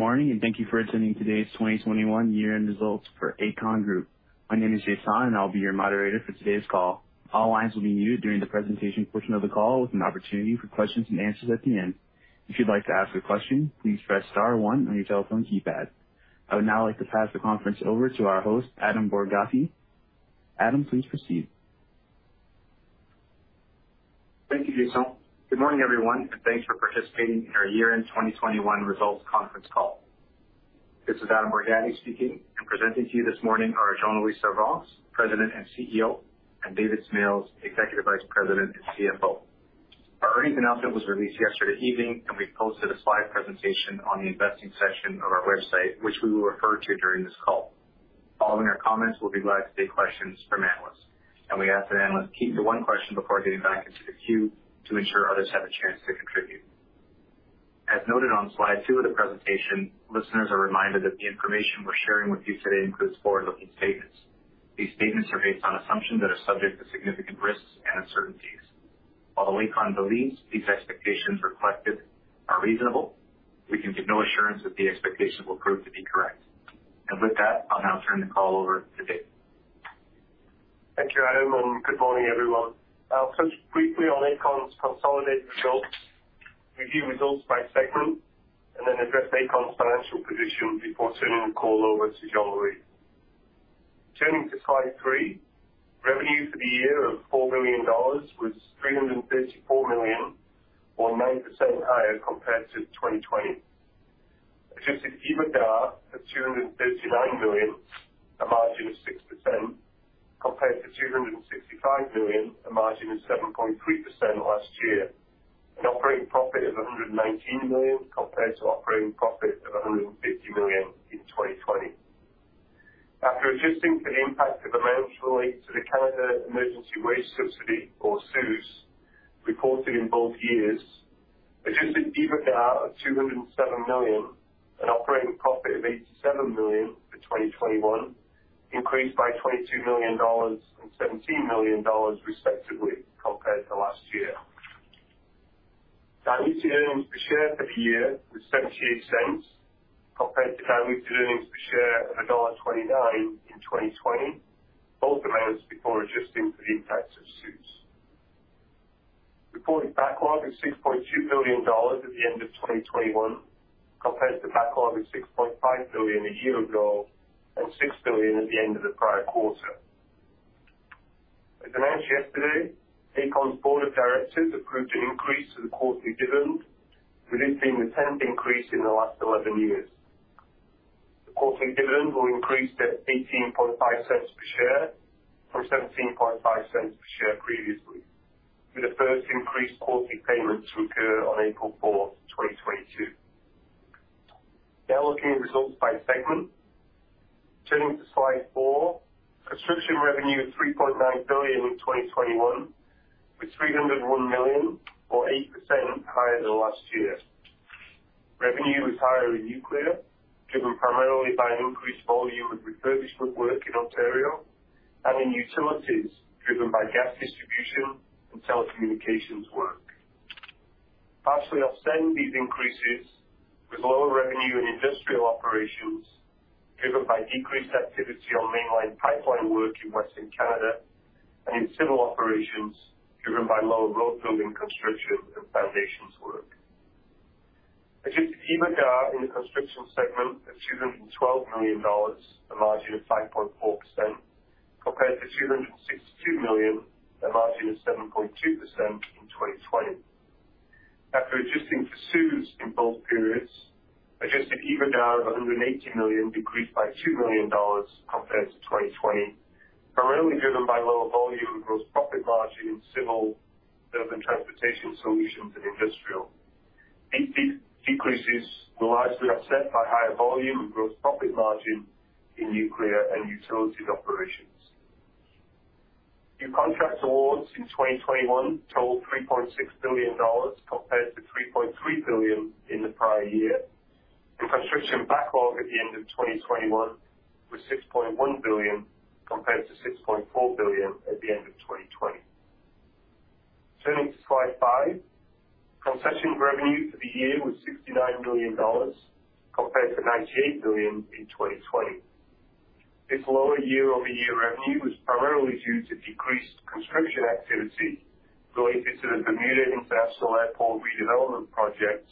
Morning, and thank you for attending today's 2021 year-end results for Aecon Group. My name is Jason, and I'll be your moderator for today's call. All lines will be muted during the presentation portion of the call with an opportunity for questions and answers at the end. If you'd like to ask a question, please press star one on your telephone keypad. I would now like to pass the conference over to our host, Adam Borgatti. Adam, please proceed. Thank you, Jason. Good morning, everyone, and thanks for participating in our year-end 2021 results conference call. This is Adam Borgatti speaking, and presenting to you this morning are Jean-Louis Servranckx, President and CEO, and David Smales, Executive Vice President and CFO. Our earnings announcement was released yesterday evening and we posted a slide presentation on the investing section of our website, which we will refer to during this call. Following our comments, we'll be glad to take questions from analysts. We ask that analysts keep to one question before getting back into the queue to ensure others have a chance to contribute. As noted on slide two of the presentation, listeners are reminded that the information we're sharing with you today includes forward-looking statements. These statements are based on assumptions that are subject to significant risks and uncertainties. While Aecon believes these expectations reflected are reasonable, we can give no assurance that the expectations will prove to be correct. With that, I'll now turn the call over to David. Thank you, Adam, and good morning, everyone. I'll touch briefly on Aecon's consolidated results, review results by segment, and then address Aecon's financial position before turning the call over to Jean-Louis. Turning to slide three. Revenue for the year of 4 billion dollars was 334 million or 9% higher compared to 2020. Adjusted EBITDA of 239 million, a margin of 6% compared to 265 million, a margin of 7.3% last year. An operating profit of 119 million compared to operating profit of 150 million in 2020. After adjusting for the impact of amounts related to the Canada Emergency Wage Subsidy, or CEWS, reported in both years, adjusted EBITDA of CAD 207 million and operating profit of CAD 87 million for 2021 increased by CAD 22 million and CAD 17 million, respectively, compared to last year. Diluted earnings per share for the year was 0.78 compared to diluted earnings per share of dollar 1.29 in 2020, both amounts before adjusting for the impact of CEWS. Reported backlog is 6.2 billion dollars at the end of 2021 compared to backlog of 6.5 billion a year ago and 6 billion at the end of the prior quarter. As announced yesterday, Aecon's board of directors approved an increase to the quarterly dividend with this being the 10th increase in the last 11 years. The quarterly dividend will increase to 0.185 per share from 0.175 per share previously, with the first increased quarterly payment to occur on April fourth, 2022. Now looking at results by segment. Turning to slide four. Construction revenue of 3.9 billion in 2021, with 301 million or 8% higher than last year. Revenue was higher in nuclear, driven primarily by an increased volume of refurbishment work in Ontario and in utilities driven by gas distribution and telecommunications work. Partially offsetting these increases was lower revenue in industrial operations driven by decreased activity on mainline pipeline work in Western Canada and in civil operations driven by lower road building, construction, and foundations work. Adjusted EBITDA in the Construction segment of 212 million dollars, a margin of 5.4%, compared to 262 million, a margin of 7.2% in 2020. After adjusting for CEWS in both periods, adjusted EBITDA of 180 million decreased by 2 million dollars compared to 2020, primarily driven by lower volume and gross profit margin in Civil, Urban Transportation Solutions, and Industrial. These decreases were largely offset by higher volume and gross profit margin in Nuclear and Utilities Operations. New contract awards in 2021 totaled CAD 3.6 billion compared to CAD 3.3 billion in the prior year. Construction backlog at the end of 2021 was 6.1 billion compared to 6.4 billion at the end of 2020. Turning to slide five. Concessions revenue for the year was 69 million dollars compared to 98 million in 2020. This lower year-over-year revenue was primarily due to decreased construction activity related to the Bermuda International Airport Redevelopment Project,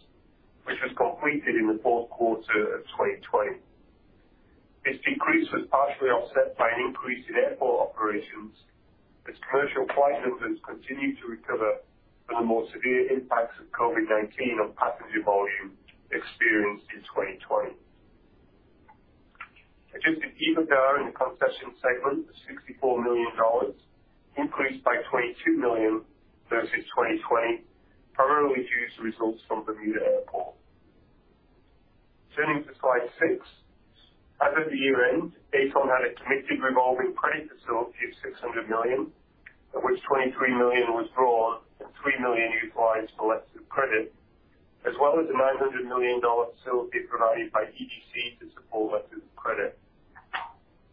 which was completed in the fourth quarter of 2020. This decrease was partially offset by an increase in airport operations as commercial flight numbers continued to recover from the more severe impacts of COVID-19 on passenger volume experienced in 2020. Adjusted EBITDA in the Concessions segment was 64 million dollars, increased by 22 million versus 2020, primarily due to results from Bermuda Airport. Turning to slide six. As of the year-end, Aecon had a committed revolving credit facility of 600 million, of which 23 million was drawn and 3 million utilized for letters of credit, as well as a 900 million dollar facility provided by EDC to support letters of credit.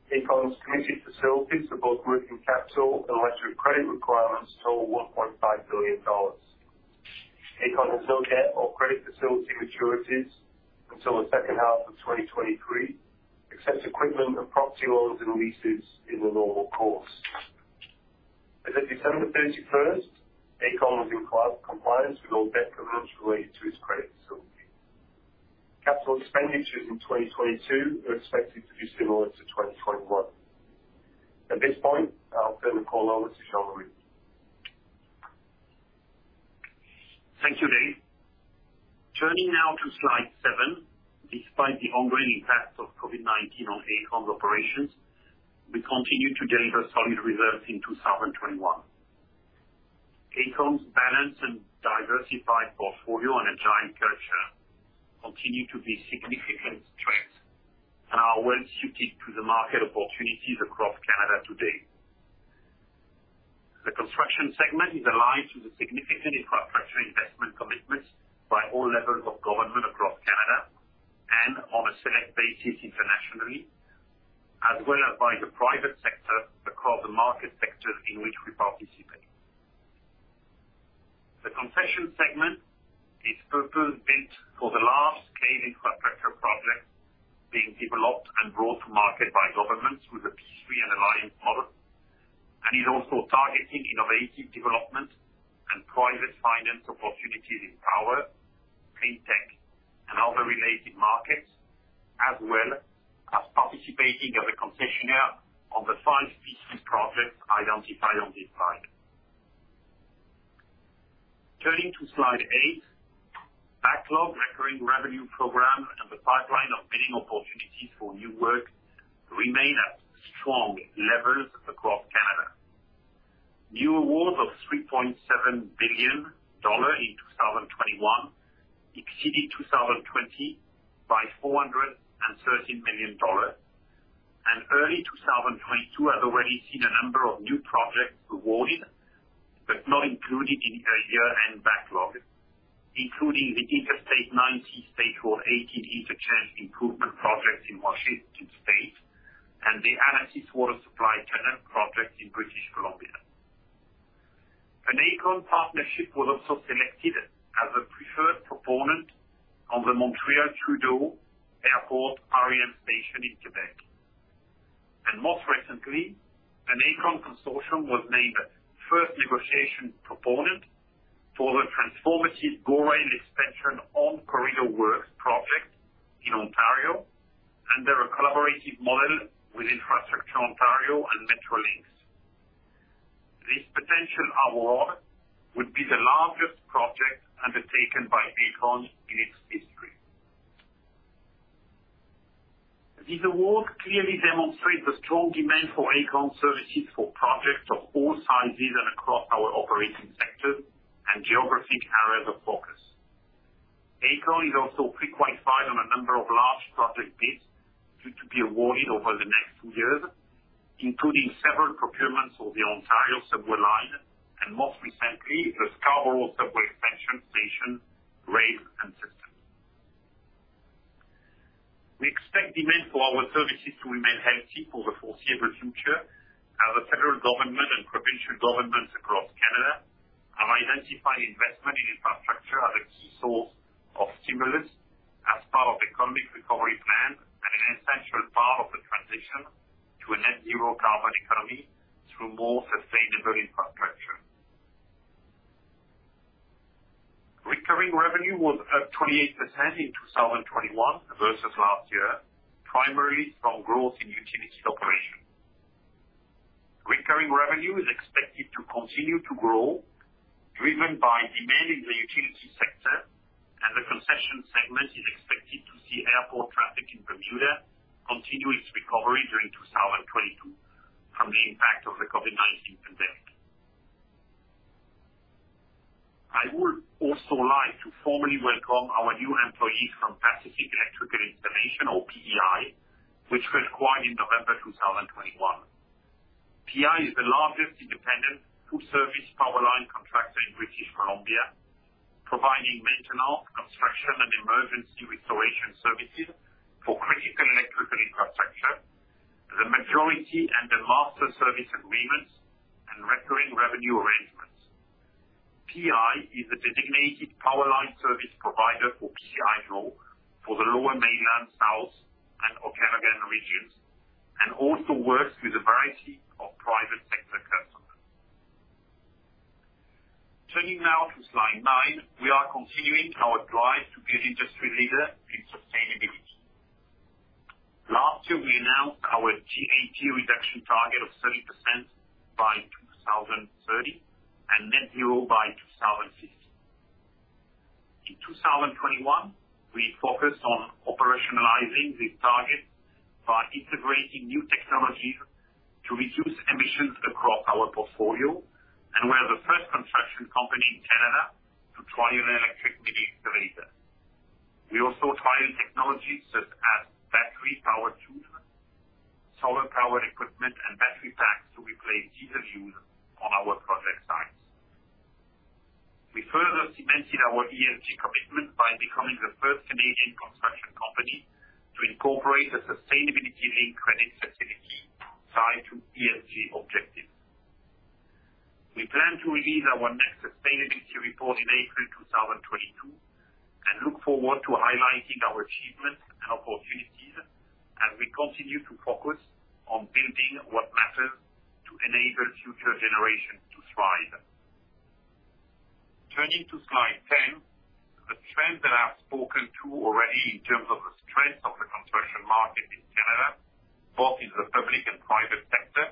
Aecon's committed facilities support working capital and letter of credit requirements total 1.5 billion dollars. Aecon has no debt or credit facility maturities until the second half of 2023, except equipment and property loans and leases in the normal course. As at December 31, Aecon was in compliance with all debt covenants related to its credit facility. Capital expenditures in 2022 are expected to be similar to 2021. At this point, I'll turn the call over to Jean-Louis. Thank you, Dave. Turning now to slide seven. Despite the ongoing impacts of COVID-19 on Aecon's operations, we continue to deliver solid results in 2021. Aecon's balanced and diversified portfolio and agile culture continue to be significant strengths and are well-suited to the market opportunities across Canada today. The Construction segment is aligned to the significant infrastructure investment commitments by all levels of government across Canada and on a select basis internationally, as well as by the private sector across the market sectors in which we participate. The concession segment is purpose-built for the large key infrastructure projects being developed and brought to market by governments with a P3 and alliance model, and is also targeting innovative development and private finance opportunities in power, clean tech, and other related markets, as well as participating as a concessionaire on the five P3 projects identified on this slide. Turning to slide eight. Backlog, recurring revenue program, and the pipeline of bidding opportunities for new work remain at strong levels across Canada. New awards of 3.7 billion dollar in 2021 exceeded 2020 by CAD 413 million. Early 2022 has already seen a number of new projects awarded, but not included in the year-end backlog, including the Interstate 90 State Road 18 Interchange Improvement Project in Washington State and the Annacis Water Supply Tunnel Project in British Columbia. An Aecon partnership was also selected as a preferred proponent of the Montréal Trudeau Airport REM station in Québec. Most recently, an Aecon consortium was named first negotiation proponent for the transformative GO Rail Expansion On-Corridor Works project in Ontario under a collaborative model with Infrastructure Ontario and Metrolinx. This potential award would be the largest project undertaken by Aecon in its history. These awards clearly demonstrate the strong demand for Aecon services for projects of all sizes and across our operating sectors and geographic areas of focus. Aecon is also pre-qualified on a number of large project bids due to be awarded over the next two years, including several procurements for the Ontario Line and most recently, the Scarborough Subway Extension stations, rail, and systems. We expect demand for our services to remain healthy for the foreseeable future as the federal government and provincial governments across Canada have identified investment in infrastructure as a key source of stimulus as part of economic recovery plan and an essential part of the transition to a net zero carbon economy through more sustainable infrastructure. Recurring revenue was up 28% in 2021 versus last year, primarily from growth in utility operations. Recurring revenue is expected to continue to grow, driven by demand in the utility sector, and the concession segment is expected to see airport traffic in Bermuda continue its recovery during 2022 from the impact of the COVID-19 pandemic. I would also like to formally welcome our new employees from Pacific Electrical Installations or PEI, which we acquired in November 2021. PEI is the largest independent full service power line contractor in British Columbia, providing maintenance, construction, and emergency restoration services for critical electrical infrastructure, the majority under master service agreements and recurring revenue arrangements. PEI is the designated power line service provider for BC Hydro for the Lower Mainland, South, and Okanagan regions, and also works with a variety of private sector customers. Turning now to slide nine. We are continuing in our drive to be an industry leader in sustainability. Last year, we announced our GHG reduction target of 30% by 2030 and net zero by 2050. In 2021, we focused on operationalizing these targets by integrating new technologies to reduce emissions across our portfolio, and we are the first construction company in Canada to trial an electric mini excavator. We also trialed technologies such as battery-powered tools, solar powered equipment, and battery packs to replace diesel use on our projects. We mentioned our ESG commitment by becoming the first Canadian construction company to incorporate a sustainability-linked credit facility tied to ESG objectives. We plan to release our next sustainability report in April 2022, and look forward to highlighting our achievements and opportunities as we continue to focus on building what matters to enable future generations to thrive. Turning to slide 10. The trends that I've spoken to already in terms of the strength of the construction market in Canada, both in the public and private sector,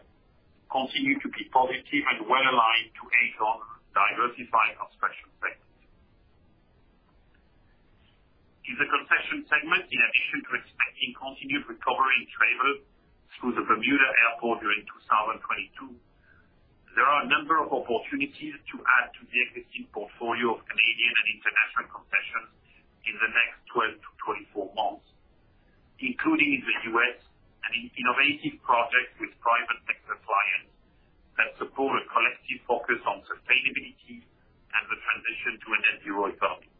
continue to be positive and well-aligned to Aecon's diversified construction segment. In the concession segment, in addition to expecting continued recovery in travel through the Bermuda Airport during 2022, there are a number of opportunities to add to the existing portfolio of Canadian and international concessions in the next 12-24 months, including in the U.S., an innovative project with private sector clients that support a collective focus on sustainability and the transition to a net zero economy.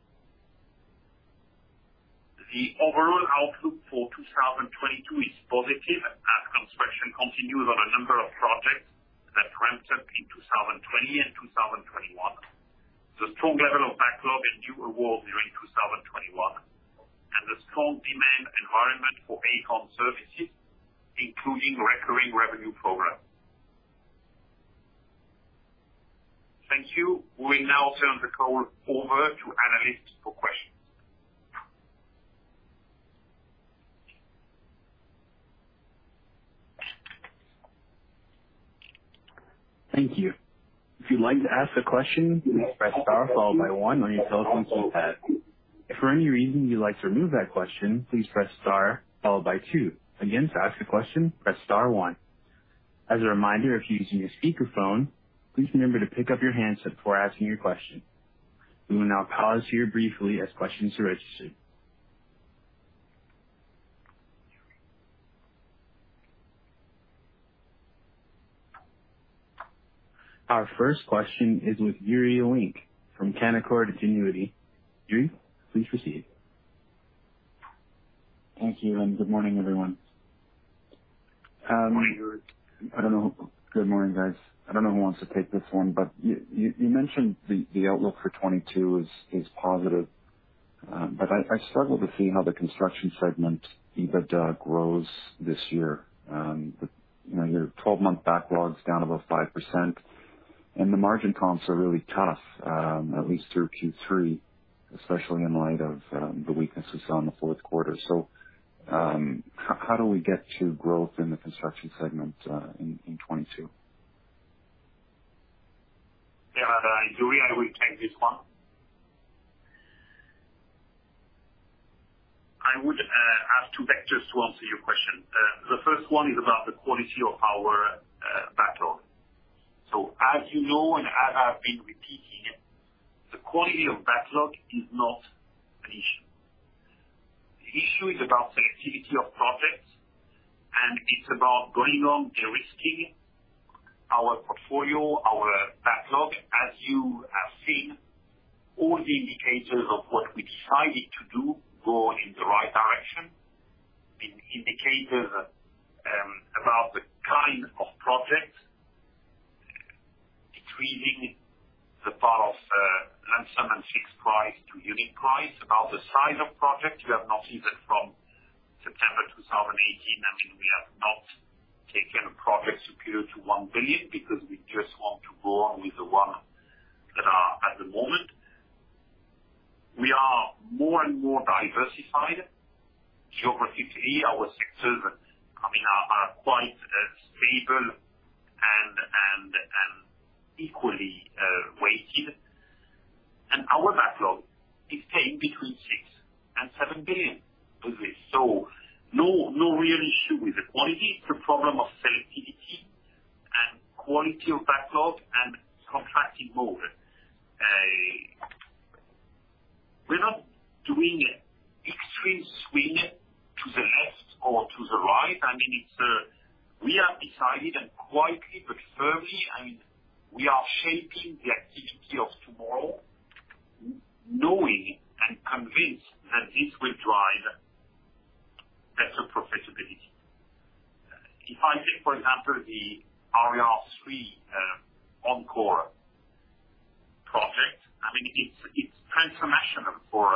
The overall outlook for 2022 is positive as construction continues on a number of projects that ramped up in 2020 and 2021, the strong level of backlog and new awards during 2021, and the strong demand environment for Aecon services, including recurring revenue programs. Thank you. We now turn the call over to analysts for questions. Thank you. If you'd like to ask a question, please press star followed by one on your telephone keypad. If for any reason you'd like to remove that question, please press star followed by two. Again, to ask a question, press star one. As a reminder, if you're using a speakerphone, please remember to pick up your handset before asking your question. We will now pause here briefly as questions are registered. Our first question is with Yuri Lynk from Canaccord Genuity. Yuri, please proceed. Thank you, and good morning, everyone. Good morning, Yuri. Good morning, guys. I don't know who wants to take this one, but you mentioned the outlook for 2022 is positive, but I struggle to see how the Construction segment EBITDA grows this year. You know, your 12-month backlog's down about 5%, and the margin comps are really tough, at least through Q3, especially in light of the weaknesses in the fourth quarter. How do we get to growth in the Construction segment in 2022? Yeah. Yuri, I will take this one. I would have two vectors to answer your question. The first one is about the quality of our backlog. As you know, and as I've been repeating it, the quality of backlog is not an issue. The issue is about selectivity of projects, and it's about going on de-risking our portfolio, our backlog. As you have seen, all the indicators of what we decided to do go in the right direction. In indicators, about the kind of projects, it's really the part of lump sum and fixed price to unit price. About the size of project, we have not seen that from September 2018. I mean, we have not taken a project superior to 1 billion because we just want to go on with the one that are at the moment. We are more and more diversified geographically. Our sectors, I mean, are quite stable and equally weighted. Our backlog is staying between 6 billion-7 billion. Agree. No real issue with the quality. It's a problem of selectivity and quality of backlog and contracting mode. We're not doing extreme swing to the left or to the right. I mean, we are decided and quietly but firmly, and we are shaping the activity of tomorrow, knowing and convinced that this will drive better profitability. If I take, for example, the On-Corridor Project, I mean, it's transformational for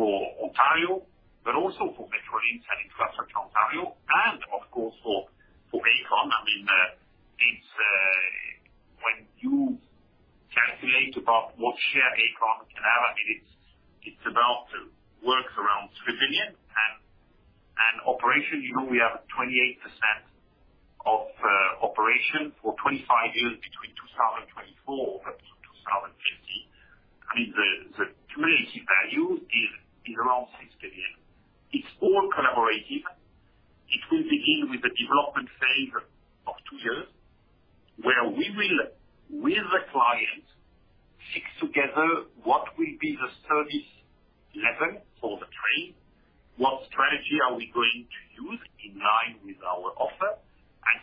Ontario, but also for Metrolinx, Infrastructure Ontario, and of course for Aecon. I mean, when you calculate about what share Aecon can have, I mean, it's worth around CAD 3 billion. Operation, you know, we have 28% of operation for 25 years between 2024 up to 2050. I mean, the cumulative value is around 6 billion. It's all collaborative. It will begin with the development phase of two years, where we will, with the client, fix together what will be the service level for the train, what strategy are we going to use in line with our offer.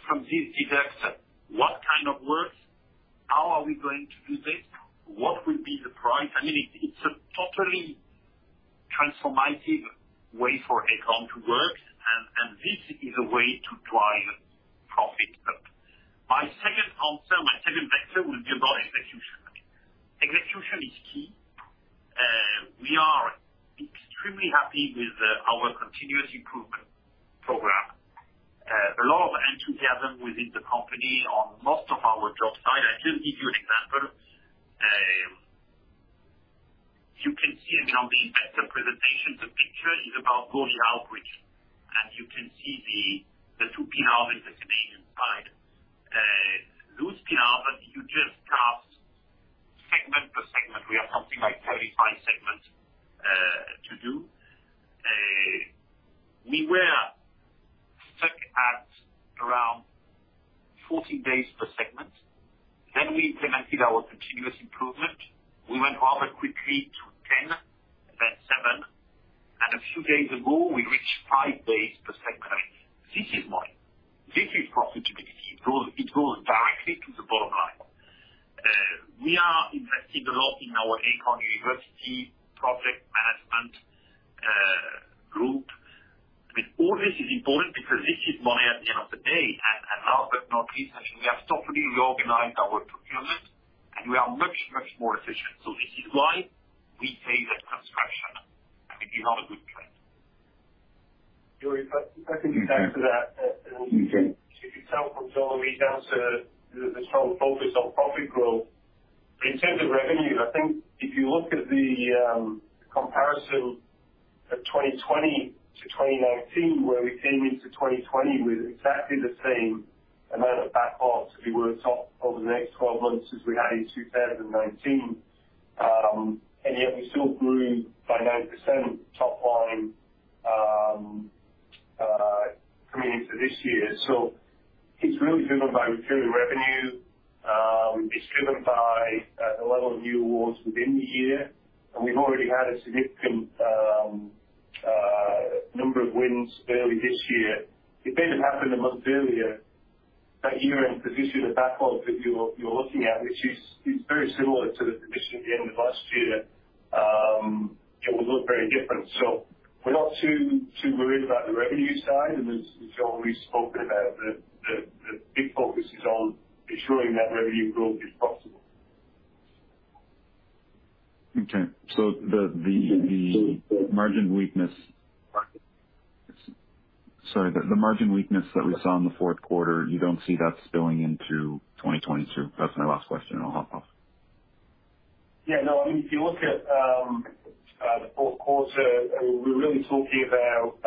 From this we look at what kind of works, how are we going to do this. What will be the price? I mean, it's a totally transformative way for Aecon to work. This is a way to drive profit. My second answer, my second vector will be about execution. Execution is key. We are extremely happy with our continuous improvement program. A lot of enthusiasm within the company on most of our job sites. I'll just give you an example. You can see it on the investor presentation. The picture is about Gormley Outreach, and you can see the two pin elements that remain inside. Those pin elements, you just cast segment per segment. We have something like 35 segments to do. We were stuck at around 40 days per segment. We implemented our continuous improvement. We went rather quickly to 10, then seven, and a few days ago, we reached five days per segment. This is money. This is profitability. It goes directly to the bottom line. We are investing a lot in our Aecon University Project Management Group. I mean, all this is important because this is money at the end of the day. last but not least, actually, we have totally reorganized our procurement, and we are much, much more efficient. This is why we say that construction, I mean, we have a good trend. Yuri, if I can add to that. Mm-hmm. If you take from Jean-Louis down to the strong focus on profit growth. In terms of revenue, I think if you look at the comparison of 2020 to 2019, where we came into 2020 with exactly the same amount of backlogs to be worked off over the next 12 months as we had in 2019, and yet we still grew by 9% top line, coming into this year. It's really driven by recurring revenue. It's driven by the level of new awards within the year, and we've already had a significant number of wins early this year. If they'd have happened a month earlier, that year-end position of backlogs that you're looking at, which is very similar to the position at the end of last year, it would look very different. We're not too worried about the revenue side. As Jean-Louis spoke about, the big focus is on ensuring that revenue growth is possible. Sorry. The margin weakness that we saw in the fourth quarter, you don't see that spilling into 2022? That's my last question, and I'll hop off. Yeah, no, I mean, if you look at the fourth quarter, we're really talking about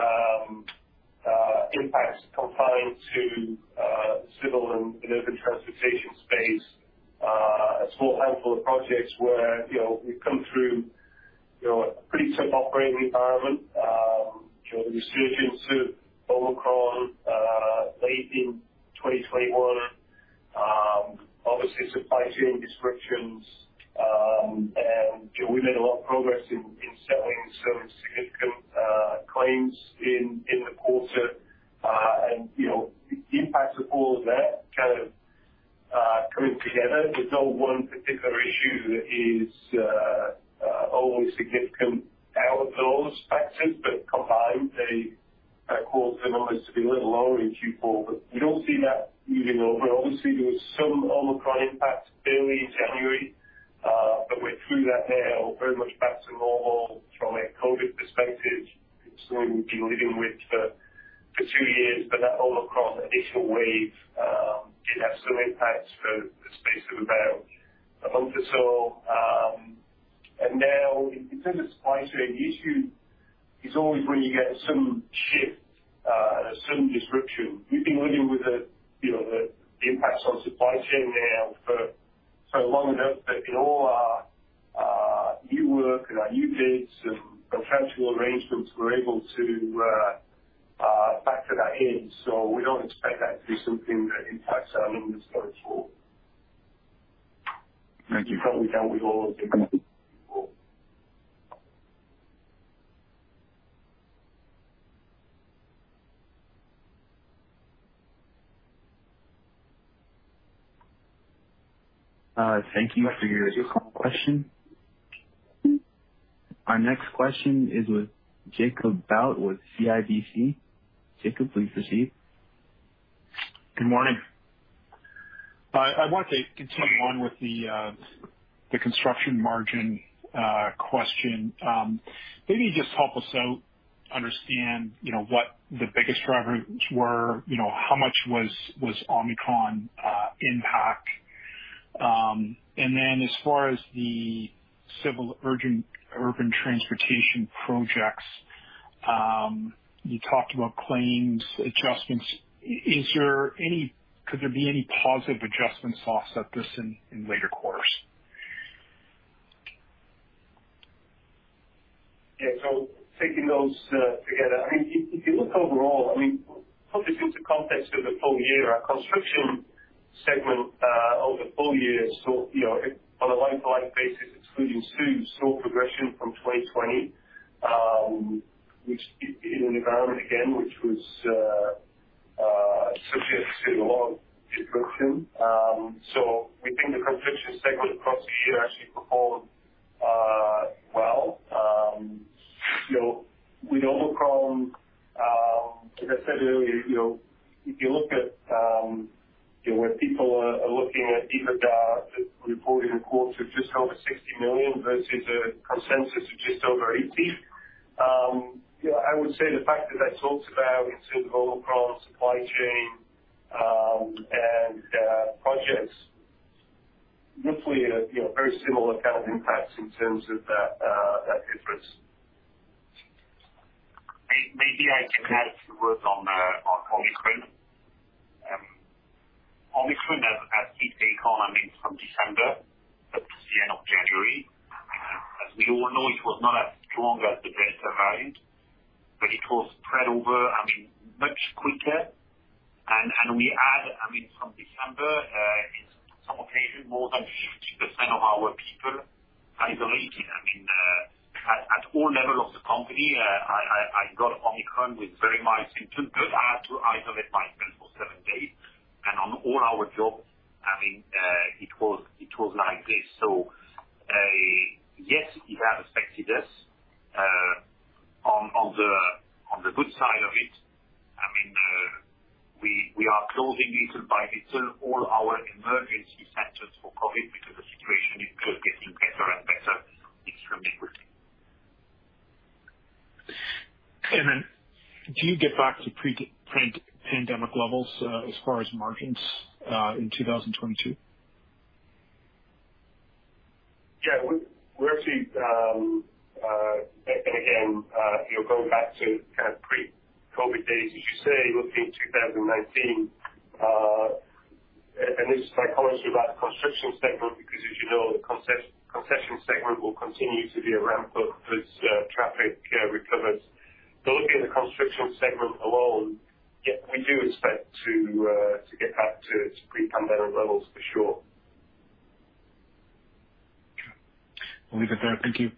impacts confined to Civil and Urban Transportation space. A small handful of projects where, you know, we've come through, you know, a pretty tough operating environment during the resurgence of Omicron late in 2021. Obviously supply chain disruptions, and we made a lot of progress in settling some significant claims in the quarter. And, you know, the impact of all of that kind of coming together. There's no one particular issue that is always significant out of those factors. Combined, they caused the numbers to be a little lower in Q4. We don't see that moving over. Obviously, there was some Omicron impact early in January, but we're through that now, very much back to normal from a COVID perspective. It's something we've been living with for two years, but that Omicron additional wave did have some impacts for the space of about a month or so. Now in terms of supply chain, the issue is always when you get some shift and a certain disruption. We've been living with the, you know, the impacts on supply chain now for so long enough that in all our new work and our new bids and contractual arrangements, we're able to factor that in. We don't expect that to be something that impacts our earnings going forward. Thank you. As we count with all of the Thank you for your question. Our next question is with Jacob Bout with CIBC. Jacob, please proceed. Good morning. I want to continue on with the construction margin question. Maybe just help us out understand, you know, what the biggest drivers were. You know, how much was Omicron impact. And then as far as the civil urban transportation projects, you talked about claims adjustments. Could there be any positive adjustments to offset this in later quarters? Yeah. Taking those together, I mean, if you look overall, I mean, put this into context of the full year, our Construction segment over the full year saw progression from 2020, which in an environment again which was subject to a lot of disruption. We think the Construction segment across the year actually performed well. You know, we've overcome, as I said earlier, you know, if you look at, you know, where people are looking at EBITDA reported in quarters of just over 60 million versus a consensus of just over 80 million. You know, I would say the fact that I talked about in terms of overall supply chain and projects, hopefully, you know, very similar kind of impacts in terms of that difference. Maybe I can add some words on Omicron. Omicron has hit the economy from December up to the end of January. As we all know, it was not as strong as the Delta variant, but it was spread over, I mean, much quicker. We had, I mean, from December, in some occasions more than 50% of our people isolating. I mean, at all levels of the company. I got Omicron with very mild symptoms, but I had to isolate myself for seven days. On all our jobs, I mean, it was like this. Yes, it has affected us. On the good side of it, I mean, we are closing little by little all our emergency centers for COVID because the situation is just getting better and better extremely quickly. Do you get back to pre-pandemic levels as far as margins in 2022? Yeah, we're actually and again, you know, going back to kind of pre-COVID days, as you say, looking at 2019, and this is my comment about the Construction segment, because as you know, the Concession segment will continue to be a ramp up as traffic recovers. Looking at the Construction segment alone, yeah, we do expect to get back to its pre-pandemic levels for sure. Okay. We'll leave it there. Thank you.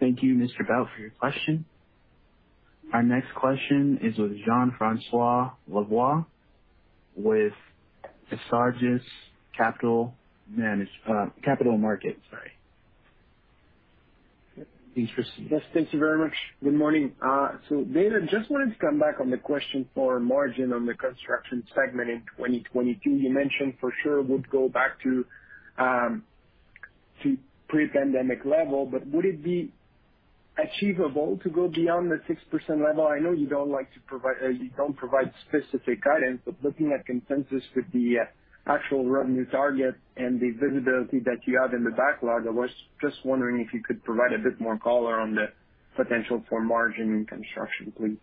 Thank you, Mr. Bout, for your question. Our next question is with Jean-François Lavoie with Desjardins Capital Markets, sorry. Jean-Francois. Yes, thank you very much. Good morning. So David, just wanted to come back on the question for margin on the Construction segment in 2022. You mentioned for sure would go back to pre-pandemic level, but would it be achievable to go beyond the 6% level? I know you don't like to provide—you don't provide specific guidance, but looking at consensus with the actual revenue target and the visibility that you have in the backlog, I was just wondering if you could provide a bit more color on the potential for margin in Construction, please.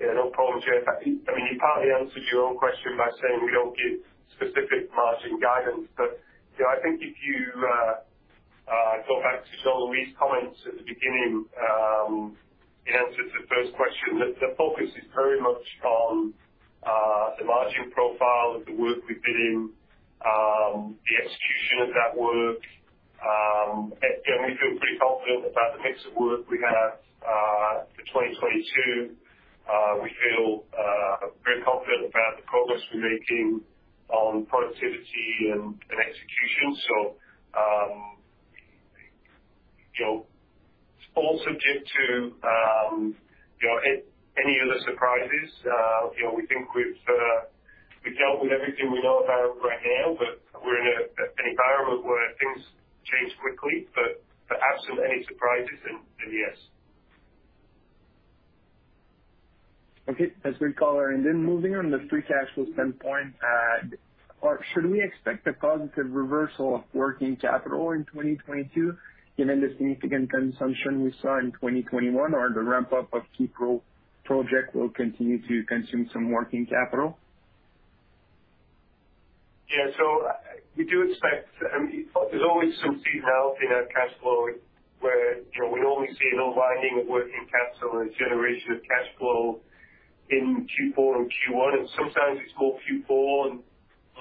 Yeah, no problem. Yeah, I mean, you partly answered your own question by saying we don't give specific margin guidance. You know, I think if you go back to Jean-Louis' comments at the beginning, in answer to the first question, the focus is very much on the margin profile of the work we bid in, the execution of that work. You know, we feel pretty confident about the mix of work we have for 2022. We feel very confident about the progress we're making on productivity and execution. You know, all subject to you know, any other surprises. You know, we think we've dealt with everything we know about right now, but we're in an environment where things change quickly. Barring absolutely any surprises, then yes. Okay. That's great color. Then moving from a free cash flow standpoint, should we expect a positive reversal of working capital in 2022 given the significant consumption we saw in 2021, or the ramp-up of key projects will continue to consume some working capital? Yeah. We do expect, I mean, there's always some seasonality in our cash flow where, you know, we normally see an unwinding of working capital and generation of cash flow in Q4 and Q1. Sometimes it's more Q4 and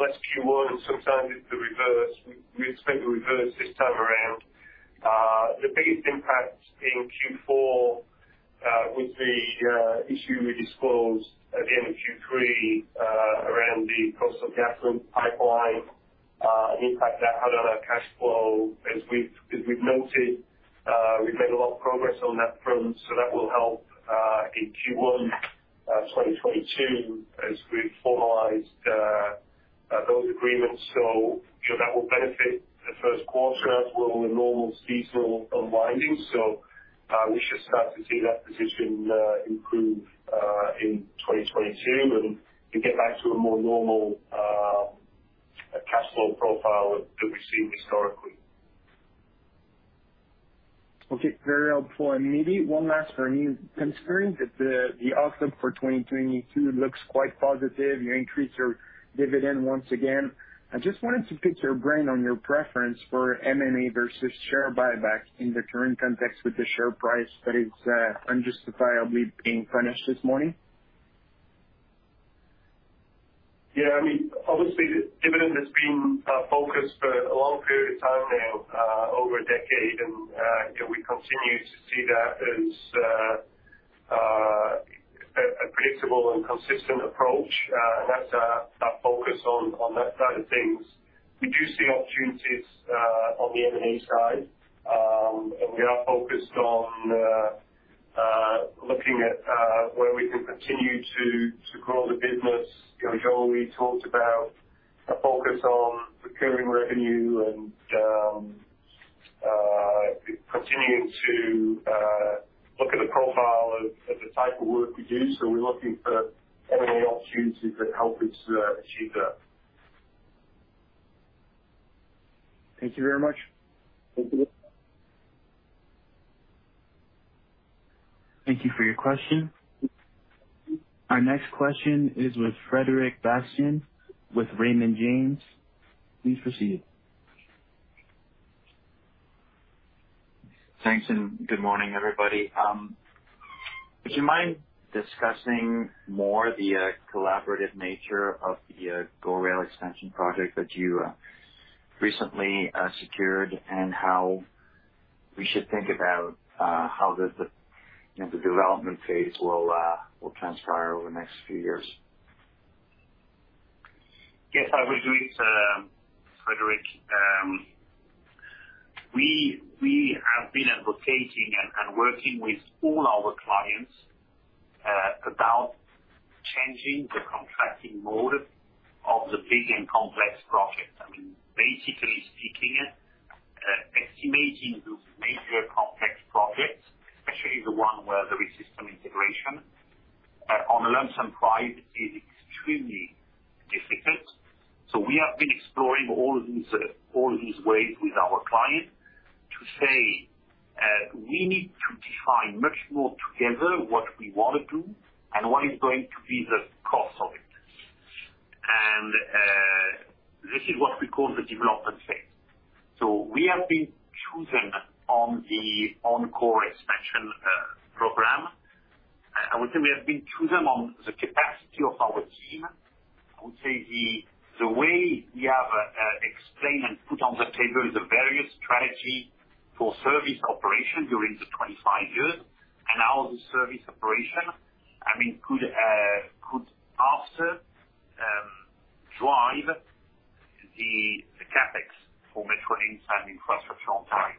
less Q1, and sometimes it's the reverse. We expect the reverse this time around. The biggest impact in Q4 with the issue we disclosed at the end of Q3 around the Coastal GasLink Pipeline and the impact that had on our cash flow. As we've noted, we've made a lot of progress on that front, so that will help in Q1 2022 as we formalize those agreements. You know, that will benefit the first quarter as well, the normal seasonal unwinding. We should start to see that position improve in 2022 and we get back to a more normal cash flow profile that we've seen historically. Okay, very helpful. Maybe one last for me. Considering that the outlook for 2022 looks quite positive, you increased your dividend once again. I just wanted to pick your brain on your preference for M&A versus share buyback in the current context with the share price that is unjustifiably being punished this morning. Yeah, I mean, obviously the dividend has been focused for a long period of time now, over a decade. You know, we continue to see that as a predictable and consistent approach. That's our focus on that side of things. We do see opportunities on the M&A side. We are focused on looking at where we can continue to grow the business. You know, Jean-Louis talked about a focus on recurring revenue and continuing to look at the profile of the type of work we do. We're looking for M&A opportunities that help us achieve that. Thank you very much. Thank you. Thank you for your question. Our next question is with Frederic Bastien with Raymond James. Please proceed. Thanks, and good morning, everybody. Would you mind discussing more the collaborative nature of the GO Rail Extension project that you recently secured and how we should think about how the you know the development phase will transpire over the next few years? Yes, I will do it, Frederic. We have been advocating and working with all our clients about changing the contracting mode of the big and complex projects. I mean, basically speaking, estimating those major complex projects, especially the one where there is system integration, on a lump sum price is extremely difficult. We have been exploring all these ways with our client to say, we need to define much more together what we wanna do and what is going to be the cost of it. This is what we call the development phase. We have been chosen on the On-Corridor Extension program. I would say we have been chosen on the capacity of our team. I would say the way we have explained and put on the table the various strategy for service operation during the 25 years and how the service operation, I mean, could drive the CapEx for Metrolinx and infrastructure on time.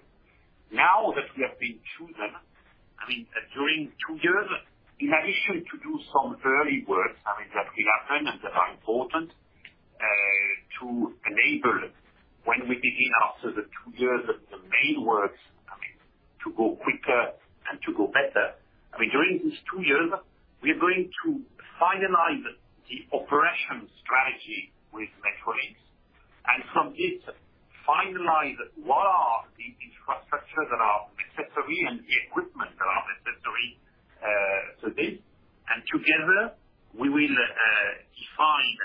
Now that we have been chosen, I mean, during two years, in addition to do some early work, I mean, that we have done and that are important to enable when we begin after the two years of the main works, I mean, to go quicker and to go better. I mean, during these two years, we are going to finalize the operation strategy with Metrolinx, and from this finalize what are the infrastructure that are necessary and the equipment that are necessary to this. Together we will define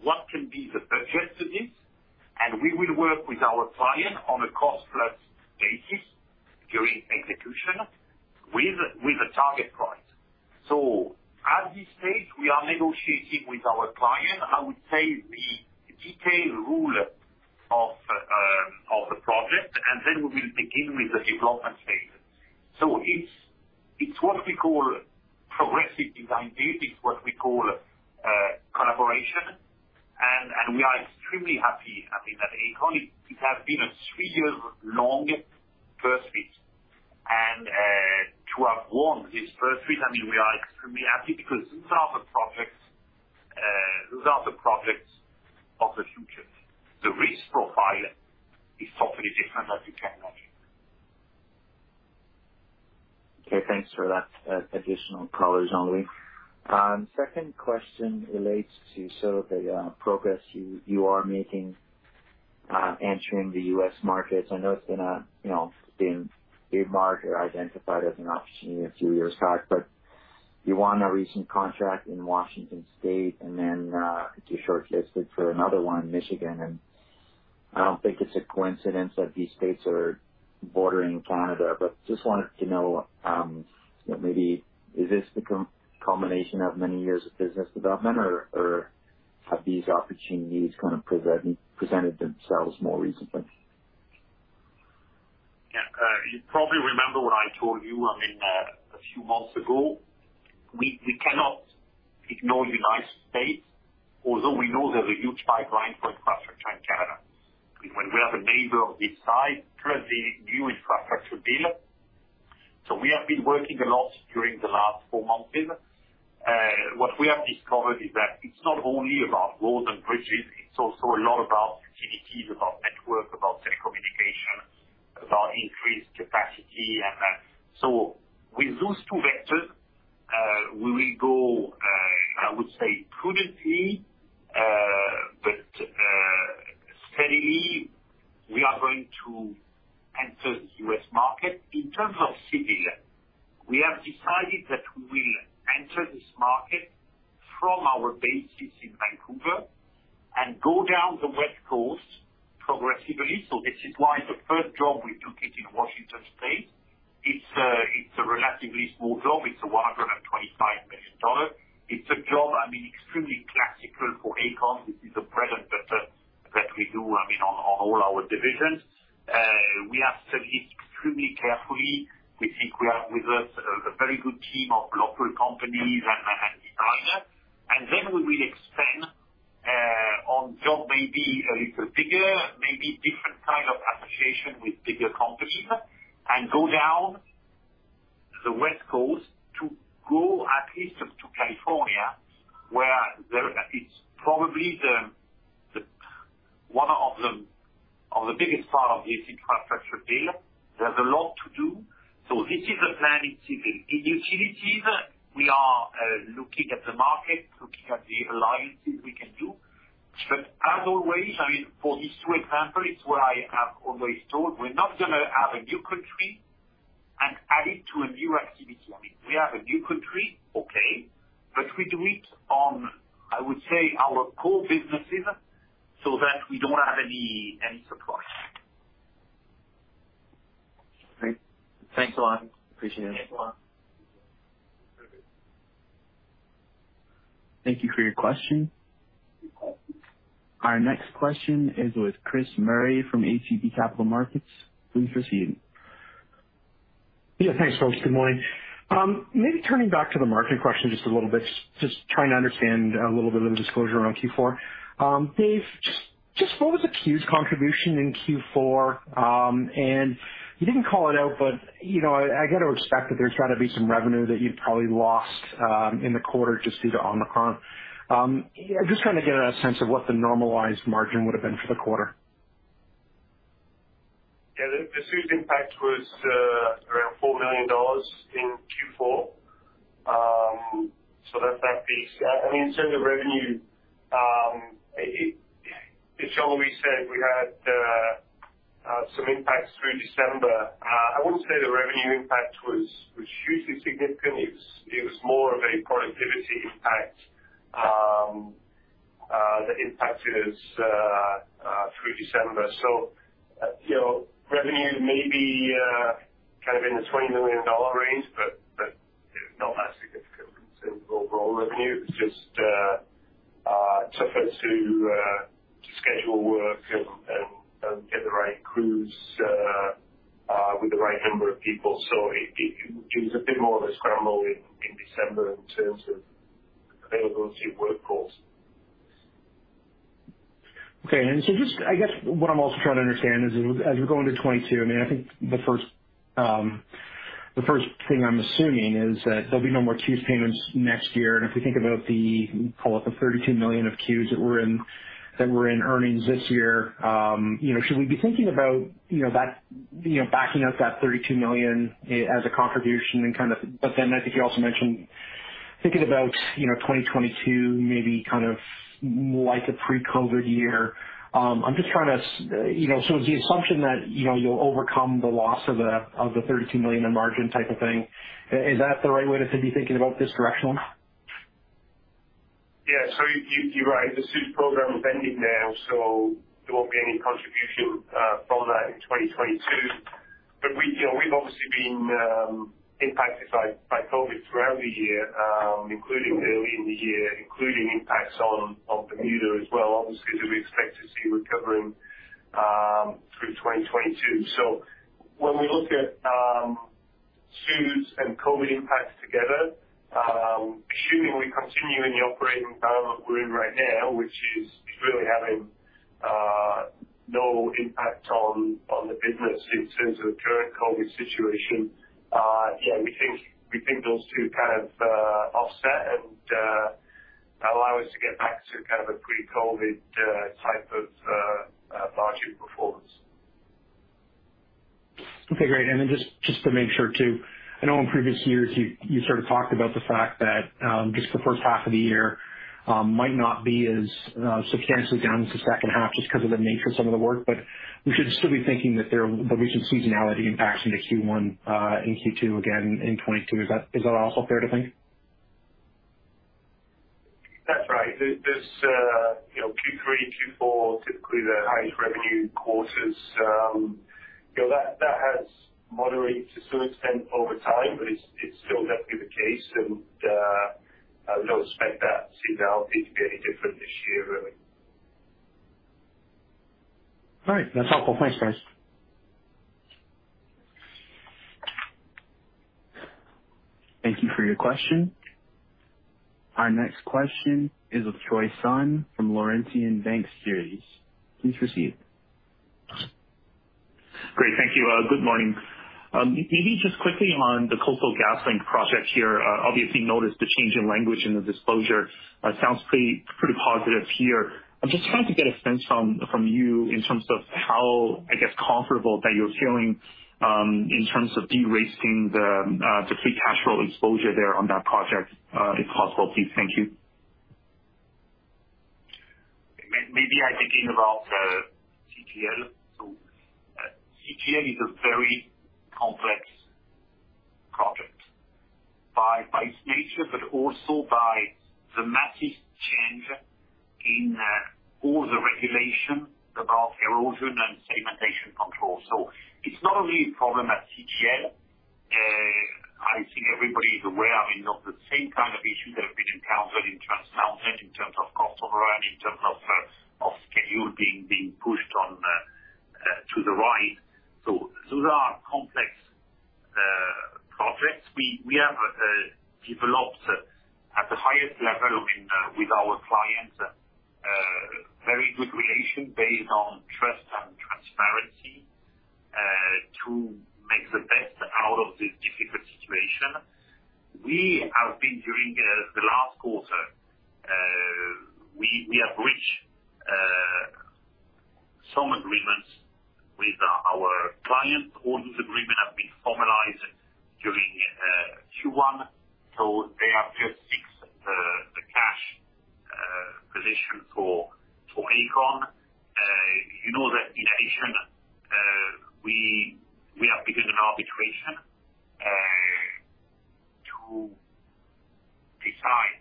what can be the budget for this, and we will work with our client on a cost-plus basis during execution with a target price. At this stage, we are negotiating with our client. I would say the detailed rule of the project, and then we will begin with the development phase. It's what we call progressive design-build. It's what we call collaboration. We are extremely happy. I think that it has been a three years long first bid. To have won this first bid, I mean, we are extremely happy because these are the projects, those are the projects of the future. The risk profile is totally different than the technology. Okay, thanks for that additional color, Jean-Louis. Second question relates to sort of the progress you are making entering the U.S. market. I know it's been a, you know, been earmarked or identified as an opportunity a few years back, but you won a recent contract in Washington State and then you're shortlisted for another one in Michigan. I don't think it's a coincidence that these states are bordering Canada, but just wanted to know, you know, maybe is this the combination of many years of business development, or have these opportunities kind of presented themselves more recently? Yeah. You probably remember what I told you, I mean, a few months ago. We cannot ignore United States, although we know there's a huge pipeline for infrastructure in Canada. I mean, when we have a neighbor of this size, plus the new infrastructure bill. We have been working a lot during the last four months. What we have discovered is that it's not only about roads and bridges, it's also a lot about activities, about network, about telecommunication, about increased capacity. With those two vectors, we will go, I would say prudently, but steadily, we are going to enter the U.S. market. In terms of civil, we have decided that we will enter this market from our bases in Vancouver and go down the West Coast progressively. This is why the first job we took it in Washington State. It's a relatively small job. It's a 125 million dollar job. It's a job, I mean, extremely classic for Aecon. This is a project that we do, I mean, on all our divisions. We have studied extremely carefully. We think we have with us a very good team of local companies and partners. Then we will expand on job maybe a little bigger, maybe different kind of association with bigger companies, and go down the West Coast to go at least up to California, where there is probably one of the biggest parts of this infrastructure deal. There's a lot to do. This is a plan in- In utilities, we are looking at the market, looking at the alliances we can do. As always, I mean, for these two examples, it's what I have always told, we're not gonna add a new country and add it to a new activity. I mean, we have a new country, okay, but we do it on, I would say, our core businesses so that we don't have any surprise. Great. Thanks a lot. Appreciate it. Thanks a lot. Thank you for your question. Our next question is with Chris Murray from ATB Capital Markets. Please proceed. Yeah, thanks, folks. Good morning. Maybe turning back to the margin question just a little bit, just trying to understand a little bit of the disclosure around Q4. Dave, just what was the Qs contribution in Q4? And you didn't call it out, but you know, I get to expect that there's gotta be some revenue that you've probably lost in the quarter just due to Omicron. Just trying to get a sense of what the normalized margin would've been for the quarter. Yeah. The Omicron impact was around 4 million dollars in Q4. That's that piece. I mean, in terms of revenue, as Jean-Louis said, we had some impacts through December. I wouldn't say the revenue impact was hugely significant. It was more of a productivity impact that impacted us through December. You know, revenue may be kind of in the 20 million dollar range, but it's not that significant in terms of overall revenue. It's just tougher to schedule work and get the right crews with the right number of people. It was a bit more of a scramble in December in terms of availability of workforce. Okay. Just I guess what I'm also trying to understand is as we go into 2022, I mean, I think the first thing I'm assuming is that there'll be no more CEWS payments next year. If we think about the call it the 32 million of CEWS that were in earnings this year, you know, should we be thinking about, you know, that, you know, backing out that 32 million as a contribution and kind of. I think you also mentioned thinking about, you know, 2022 maybe kind of more like a pre-COVID year. I'm just trying to, you know. Is the assumption that, you know, you'll overcome the loss of the 32 million in margin type of thing. Is that the right way to be thinking about this directionally? Yeah. You're right. The CEWS program has ended now, so there won't be any contribution from that in 2022. We, you know, we've obviously been impacted by COVID throughout the year, including early in the year, including impacts on Bermuda as well, obviously, that we expect to see recovering through 2022. When we look at CEWS and COVID impacts together, assuming we continue in the operating environment we're in right now, which is really having no impact on the business in terms of the current COVID situation, yeah, we think those two kind of offset and allow us to get back to kind of a pre-COVID type of margin performance. Okay, great. Just to make sure too, I know in previous years you sort of talked about the fact that just the first half of the year might not be as substantially down as the second half just 'cause of the nature of some of the work. We should still be thinking that seasonality impacts in Q1 and Q2 again in 2020. Is that also fair to think? That's right. You know, Q3, Q4 typically the highest revenue quarters. You know, that has moderated to some extent over time, but it's still definitely the case. I would expect that seasonality to be any different this year, really. All right. That's helpful. Thanks, guys. Thank you for your question. Our next question is with Troy Sun from Laurentian Bank Securities. Please proceed. Great. Thank you. Good morning. Maybe just quickly on the Coastal GasLink Project here. Obviously noticed the change in language in the disclosure. Sounds pretty positive here. I'm just trying to get a sense from you in terms of how, I guess, comfortable that you're feeling in terms of derisking the free cash flow exposure there on that project, if possible, please. Thank you. Maybe I begin about CGL. CGL is a very complex nature, but also by the massive change in all the regulation about erosion and sedimentation control. It's not only a problem at CGL. I think everybody is aware, I mean, of the same kind of issues that have been encountered in Trans Mountain in terms of cost overrun, in terms of schedule being pushed on to the right. Those are complex projects. We have developed at the highest level with our clients very good relation based on trust and transparency to make the best out of this difficult situation. We have, during the last quarter, reached some agreements with our clients. All these agreements have been formalized during Q1, so they have just fixed the cash position for Aecon. You know that in addition, we have begun an arbitration to decide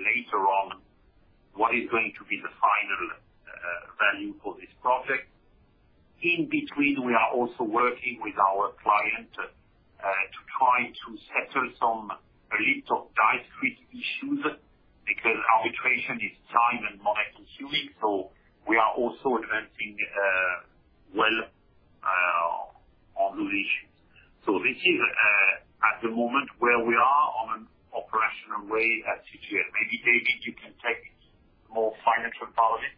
later on what is going to be the final value for this project. In between, we are also working with our client to try to settle some a little discrete issues because arbitration is time and money consuming, so we are also advancing well on those issues. This is at the moment where we are on an operational way at CGL. Maybe, David, you can take more financial part of it.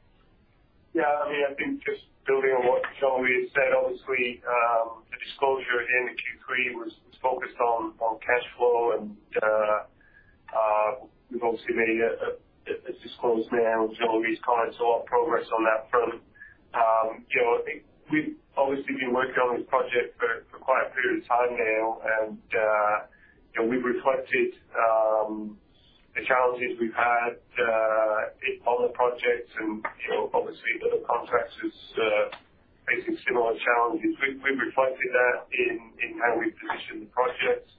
Yeah. I mean, I think just building on what Jean-Louis said, obviously, the disclosure in Q3 was focused on cash flow and we've obviously made a disclosure now. Jean-Louis kind of saw progress on that front. You know, I think we've obviously been working on this project for quite a period of time now and you know, we've reflected the challenges we've had in other projects and you know, obviously other contractors facing similar challenges. We've reflected that in how we've positioned the projects.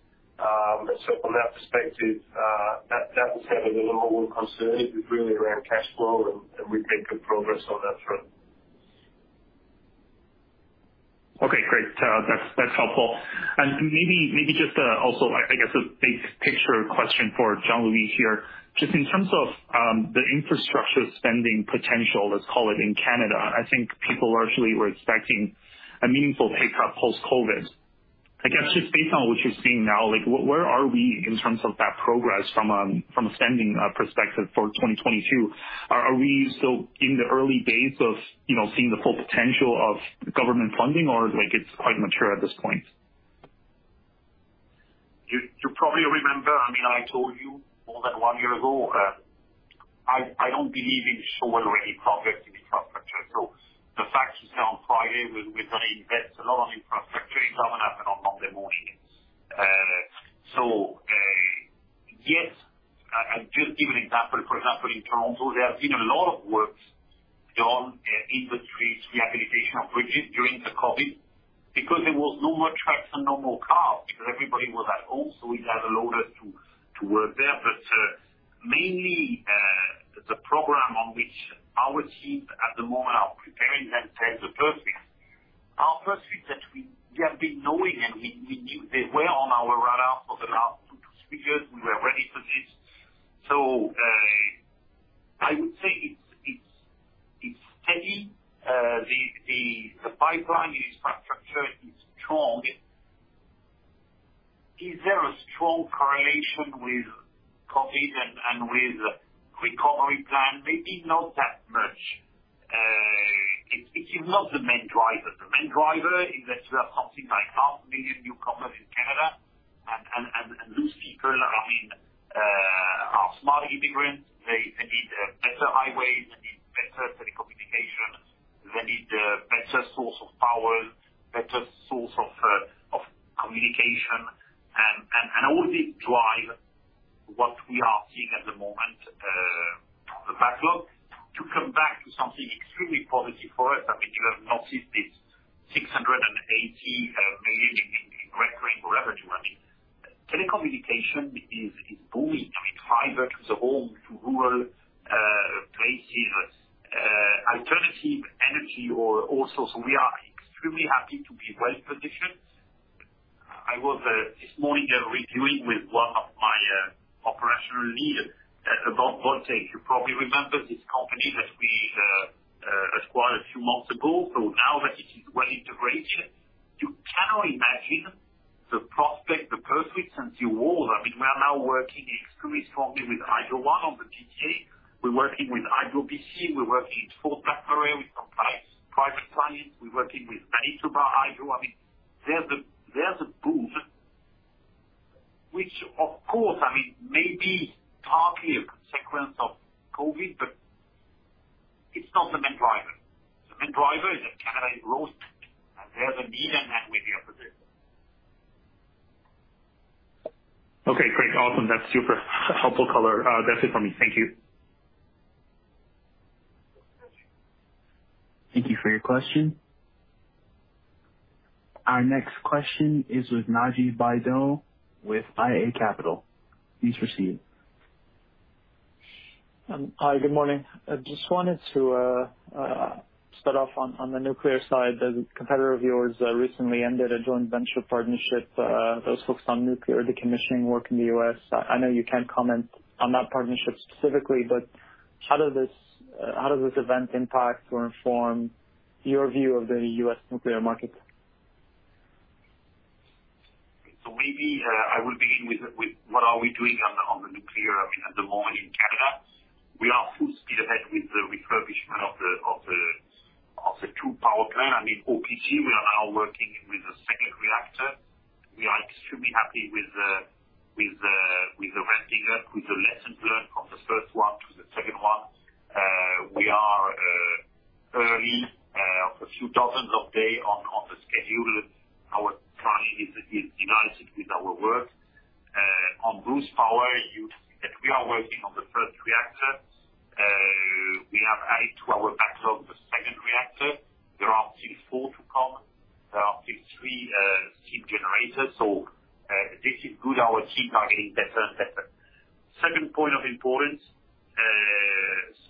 So from that perspective, that was kind of the number one concern is really around cash flow and we've made good progress on that front. Okay, great. That's helpful. Maybe just also, I guess a big picture question for Jean-Louis here. Just in terms of the infrastructure spending potential, let's call it in Canada, I think people largely were expecting a meaningful pickup post-COVID. I guess just based on what you're seeing now, like, where are we in terms of that progress from a spending perspective for 2022? Are we still in the early days of, you know, seeing the full potential of government funding or like it's quite mature at this point? You probably remember, I mean, I told you more than one year ago, I don't believe in solar or any projects in infrastructure. The fact is that on Friday, we're gonna invest a lot on infrastructure. It's gonna happen on Monday mornings. I'll just give an example. For example, in Toronto, there have been a lot of works done in the streets, rehabilitation of bridges during the COVID because there was no more trucks and no more cars because everybody was at home, so it has allowed us to work there. Mainly, the program on which our teams at the moment are preparing themselves are perfect. Our first week that we have been knowing and we knew they were on our radar for the last two years. We were ready for this. I would say it's steady. The pipeline infrastructure is strong. Is there a strong correlation with COVID and with recovery plan? Maybe not that much. It is not the main driver. The main driver is that we have something like 500,000 newcomers in Canada and those people are, I mean, are smart immigrants. They need better highways, they need better telecommunication, they need better source of power, better source of communication. All this drive what we are seeing at the moment, the backlog. To come back to something extremely positive for us, I mean, you have noticed this 680 million in recurring revenue. I mean, telecommunication is booming. I mean, fiber to the home, to rural places, alternative energy also. We are extremely happy to be well-positioned. I was this morning reviewing with one of my operational leader about Voltage. You probably remember this company that we acquired a few months ago. Now that it is well integrated, you cannot imagine the prospect, the perfect synergy wall. I mean, we are now working extremely strongly with Hydro One on the GTA. We're working with BC Hydro. We're working with Fort McMurray, with some private clients. We're working with Manitoba Hydro. I mean, there's a boom which of course, I mean, may be partly a consequence of COVID, but it's not the main driver. The main driver is that Canada is growing, and there's a need, and that we are present. Okay, great. Awesome. That's super helpful color. That's it for me. Thank you. Thank you for your question. Our next question is with Naji Baydoun with iA Capital Markets. Please proceed. Hi, good morning. I just wanted to start off on the nuclear side. A competitor of yours recently ended a joint venture partnership that was focused on nuclear decommissioning work in the U.S. I know you can't comment on that partnership specifically, but how does this event impact or inform your view of the U.S. nuclear market? Maybe I will begin with what we are doing on the nuclear, I mean, at the moment in Canada. We are full speed ahead with the refurbishment of the two power plants. I mean, OPG, we are now working with the second reactor. We are extremely happy with the ramping up, with the lessons learned from the first one to the second one. We are a few dozen days on the schedule. Our client is delighted with our work. On Bruce Power, you see that we are working on the first reactor. We have added to our backlog the second reactor. There are still four to come. There are still three steam generators. This is good. Our team are getting better and better. Second point of importance,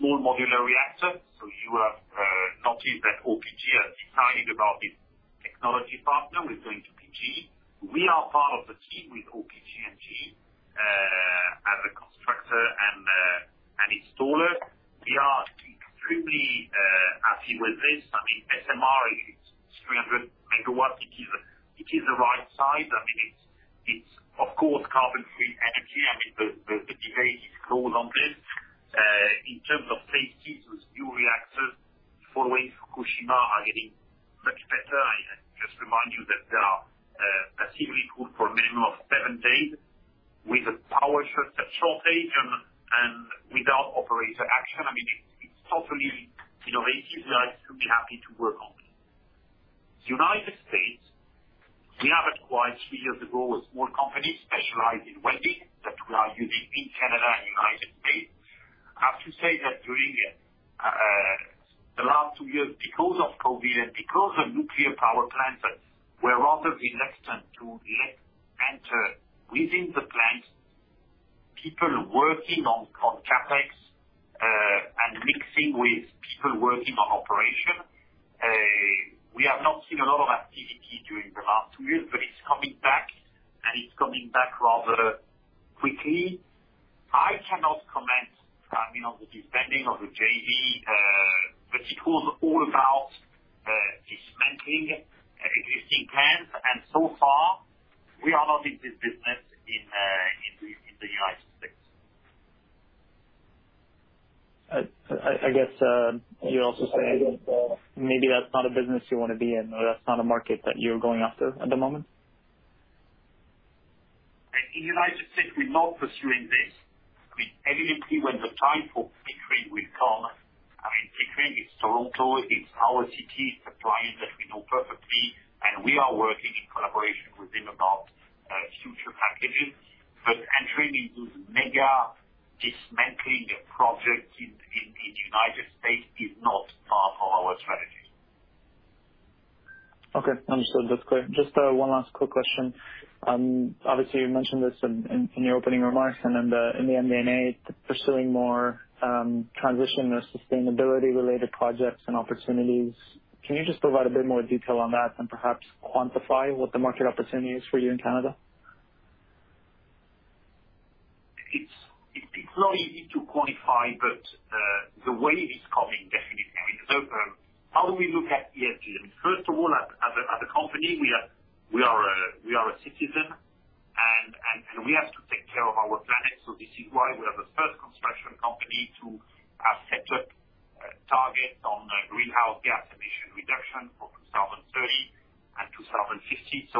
small modular reactor. You have noticed that OPG has decided on this technology partner with GE Hitachi. We are part of the team with OPG and GE as a constructor and an installer. We are extremely happy with this. I mean, SMR is 300 MW. It is the right size. I mean, it's of course carbon-free energy. I mean, the debate is closed on this. In terms of safety, with new reactors following Fukushima are getting much better. I just remind you that they are passively cooled for a minimum of seven days with a power shortage and without operator action. I mean, it's totally innovative. We are extremely happy to work on this. United States, we have acquired three years ago a small company specialized in welding that we are using in Canada and United States. I have to say that during the last two years, because of COVID and because the nuclear power plants were rather reluctant to let enter within the plants people working on CapEx and mixing with people working on operation, we have not seen a lot of activity during the last two years, but it's coming back, and it's coming back rather quickly. I cannot comment, I mean, on the disbanding of the JV, but it was all about dismantling existing plants. So far, we are not in this business in the United States. I guess you're also saying that maybe that's not a business you wanna be in, or that's not a market that you're going after at the moment? In the United States, we're not pursuing this. I mean, evidently when the time for Pickering will come, I mean, Pickering is Toronto, it's our city. It's a client that we know perfectly, and we are working in collaboration with them about future packages. Entering into mega dismantling projects in the United States is not part of our strategy. Okay. Understood. That's clear. Just one last quick question. Obviously, you mentioned this in your opening remarks, and in the M&A, pursuing more transition or sustainability related projects and opportunities. Can you just provide a bit more detail on that and perhaps quantify what the market opportunity is for you in Canada? It's not easy to quantify, but the wave is coming definitely. How do we look at ESG? I mean, first of all, as a company, we are a citizen and we have to take care of our planet. This is why we are the first construction company to have set up targets on greenhouse gas emission reduction for 2030 and 2050.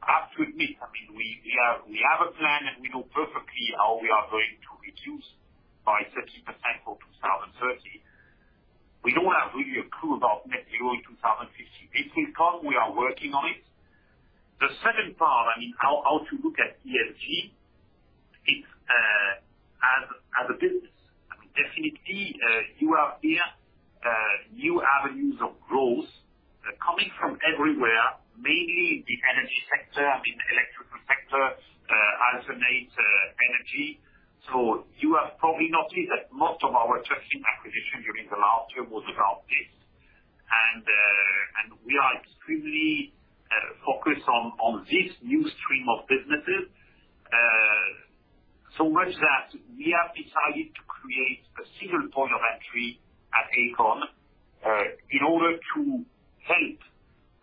I have to admit, I mean, we have a plan, and we know perfectly how we are going to reduce by 30% for 2030. We don't have really a clue about net zero in 2050. This will come. We are working on it. The second part, I mean, how to look at ESG, it's as a business. I mean, definitely, you have here new avenues of growth coming from everywhere, mainly the energy sector, I mean the electrical sector, alternative energy. You have probably noticed that most of our recent acquisitions during the last year were around this. We are extremely focused on this new stream of businesses. So much that we have decided to create a single point of entry at Aecon in order to help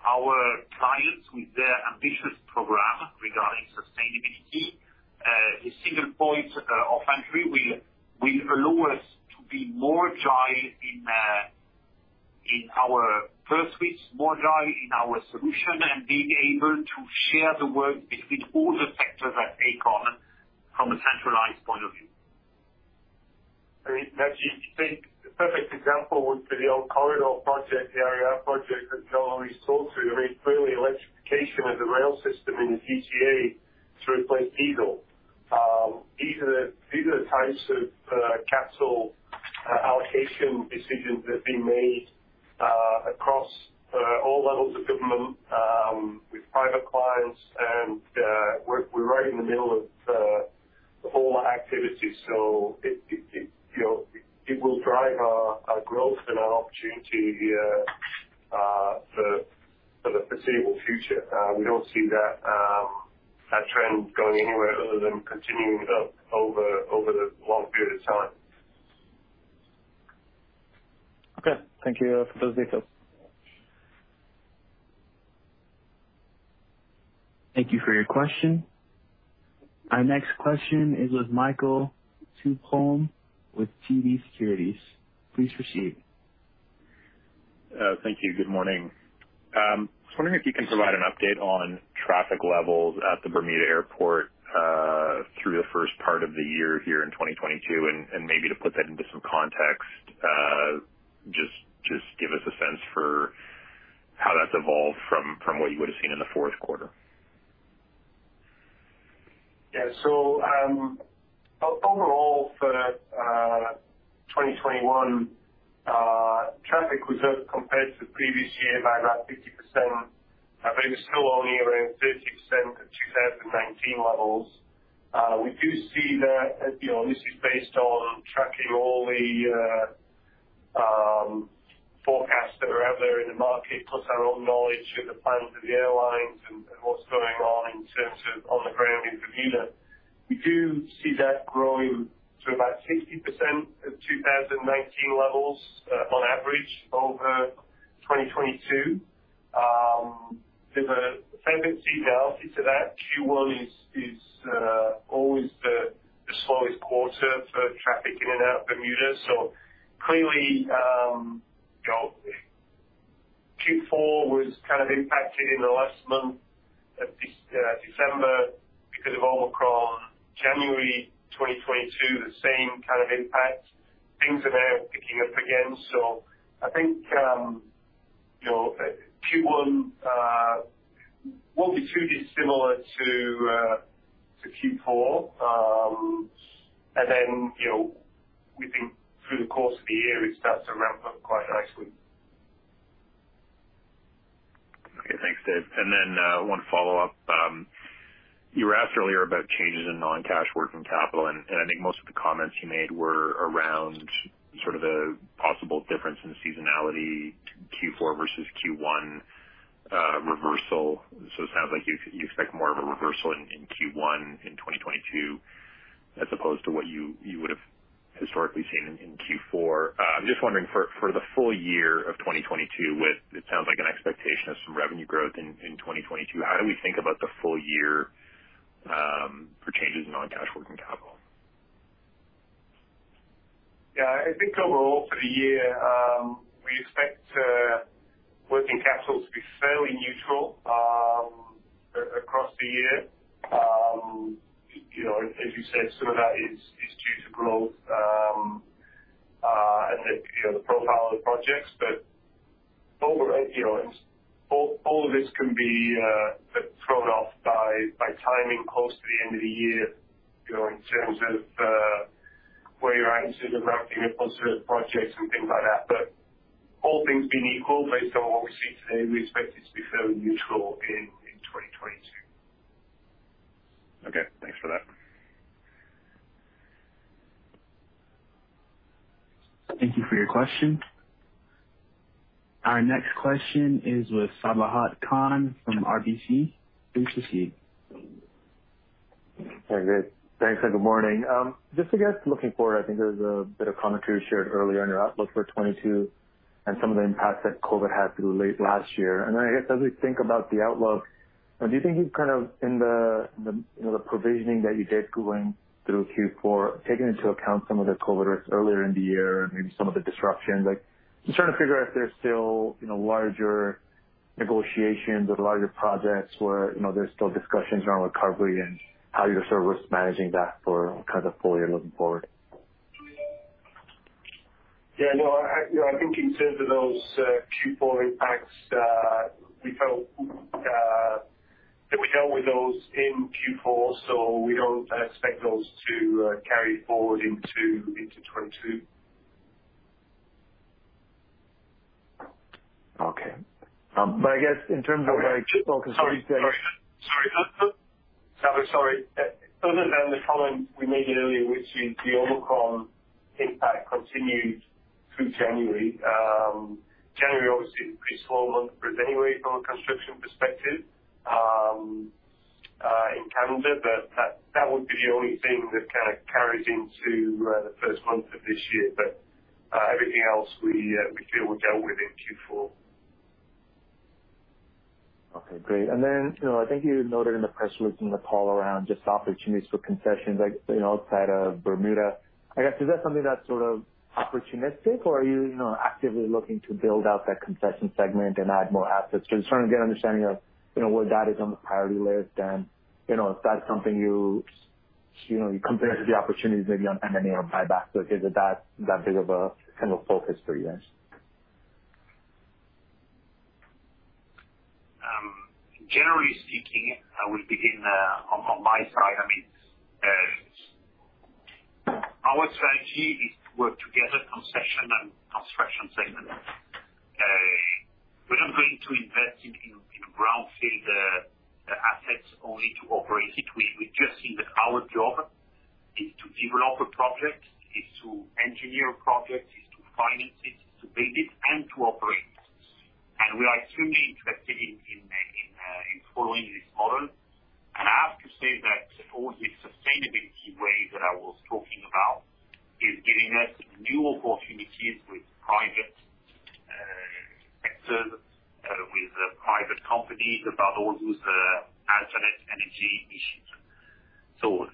our clients with their ambitious program regarding sustainability. The single point of entry will allow us to be more agile in our pursuits, more agile in our solution, and being able to share the work between all the sectors at Aecon from a centralized point of view. The perfect example would be the corridor project, the On-Corridor Project that Jean-Louis talked to. I mean, clearly electrification of the rail system in the GTA through replacing diesel. These are the types of capital allocation decisions that have been made across all levels of government with private clients. We're right in the middle of all our activities. You know, it will drive our growth and our opportunity here for the foreseeable future. We don't see that trend going anywhere other than continuing over the long period of time. Okay. Thank you for those details. Thank you for your question. Our next question is with Michael Tupholme with TD Securities. Please proceed. Thank you. Good morning. I was wondering if you can provide an update on traffic levels at the Bermuda Airport, through the first part of the year here in 2022, and maybe to put that into some context, just give us a sense for how that's evolved from what you would have seen in the fourth quarter. Overall for 2021, traffic was up compared to the previous year by about 50%. It was still only around 30% of 2019 levels. We do see that, you know, this is based on tracking all the forecasts that are out there in the market, plus our own knowledge of the plans of the airlines and what's going on in terms of on the ground in Bermuda. We do see that growing to about 60% of 2019 levels on average over 2022. There's a seasonality to that. Q1 is always the slowest quarter for traffic in and out of Bermuda. Clearly, you know, Q4 was kind of impacted in the last month of December because of Omicron. January 2022, the same kind of impact. Things are now picking up again. I think, you know, Q1 will be too dissimilar to Q4. Then, you know, we think through the course of the year, it starts to ramp up quite nicely. Okay. Thanks, Dave. Then one follow-up. You were asked earlier about changes in non-cash working capital, and I think most of the comments you made were around sort of the possible difference in seasonality, Q4 versus Q1, reversal. It sounds like you expect more of a reversal in Q1 in 2022 as opposed to what you would have historically seen in Q4. I'm just wondering for the full year of 2022, with it sounds like an expectation of some revenue growth in 2022, how do we think about the full year for changes in non-cash working capital? Yeah. I think overall for the year, we expect working capital to be fairly neutral across the year. You know, as you said, some of that is due to growth, and the profile of the projects. Overall, you know, all of this can be thrown off by timing close to the end of the year, you know, in terms of where you're at in terms of ramping up other projects and things like that. All things being equal, based on what we see today, we expect it to be fairly neutral in 2022. Okay. Thanks for that. Thank you for your question. Our next question is with Sabahat Khan from RBC. Please proceed. Hey, David. Thanks, and good morning. Just I guess looking forward, I think there was a bit of commentary you shared earlier on your outlook for 2022 and some of the impacts that COVID had through late last year. Then I guess as we think about the outlook, do you think you've kind of in the you know the provisioning that you did going through Q4, taking into account some of the COVID risks earlier in the year and maybe some of the disruptions. Like, I'm trying to figure out if there's still you know larger negotiations with a lot of your projects where you know there's still discussions around recovery and how you're sort of risk managing that for kind of full year looking forward. Yeah, no. You know, I think in terms of those Q4 impacts, we felt that we dealt with those in Q4, so we don't expect those to carry forward into 2022. Okay. I guess in terms of like Sorry, Sabahat, sorry. Other than the comment we made earlier, which is the Omicron impact continued through January. January obviously is a pretty slow month for us anyway from a construction perspective, in calendar. That would be the only thing that kind of carries into the first month of this year. Everything else we feel we dealt with in Q4. Okay, great. You know, I think you noted in the press release in the call around just opportunities for concessions, like, you know, outside of Bermuda. I guess, is that something that's sort of opportunistic or are you know, actively looking to build out that concession segment and add more assets? Just trying to get an understanding of, you know, where that is on the priority list and, you know, if that's something you know, you compare it to the opportunities maybe on M&A or buyback. Is it that big of a kind of focus for you guys? Generally speaking, I will begin on my side. I mean, our strategy is to work in the concession and construction segment. We're not going to invest in greenfield assets only to operate it. We just think that our job is to develop a project, is to engineer a project, is to finance it, is to build it and to operate. We are extremely interested in following this model. I have to say that all this sustainability wave that I was talking about is giving us new opportunities with the private sector, with private companies about all those alternative energy issues.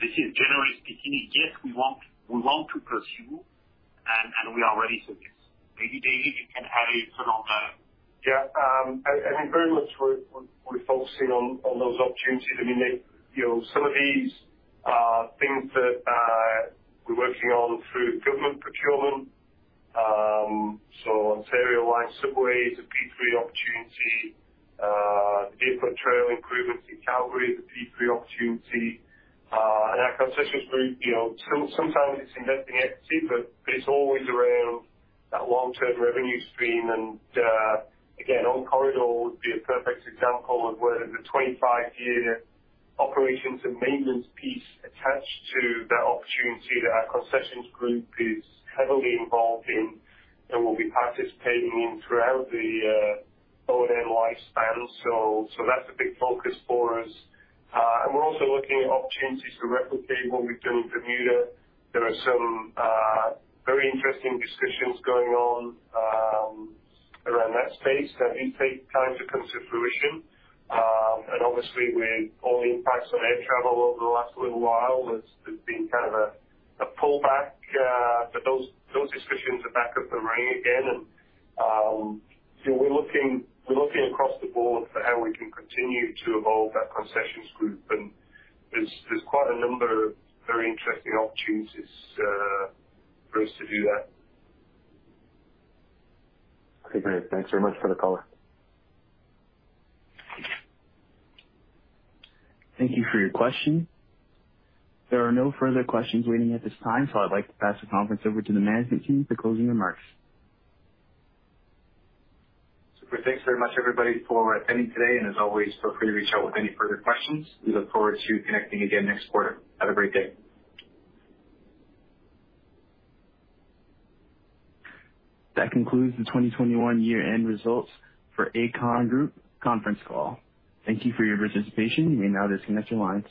This is generally speaking, yes, we want to pursue and we are ready for this. Maybe, David, you can add it on. Yeah. I think very much we're focusing on those opportunities. I mean, you know, some of these things that we're working on through government procurement. Ontario Line Subway is a P3 opportunity. The Deerfoot Trail improvements in Calgary is a P3 opportunity. Our concessions group, you know, sometimes it's investing equity, but it's always around that long-term revenue stream. Again, On-Corridor would be a perfect example of where the 25-year operations and maintenance piece attached to that opportunity that our concessions group is heavily involved in and will be participating in throughout the On-Corridor lifespan. That's a big focus for us. We're also looking at opportunities to replicate what we've done in Bermuda. There are some very interesting discussions going on around that space that we take time to come to fruition. Obviously, with all the impacts on air travel over the last little while, there's been kind of a pullback. Those discussions are back up and running again. You know, we're looking across the board for how we can continue to evolve that concessions group. There's quite a number of very interesting opportunities for us to do that. Okay, great. Thanks very much for the color. Thank you for your question. There are no further questions waiting at this time, so I'd like to pass the conference over to the management team for closing remarks. Super. Thanks very much, everybody, for attending today, and as always, feel free to reach out with any further questions. We look forward to connecting again next quarter. Have a great day. That concludes the 2021 year-end results for Aecon Group conference call. Thank you for your participation. You may now disconnect your lines.